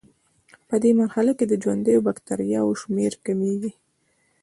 پدې مرحله کې د ژوندیو بکټریاوو شمېر کمیږي.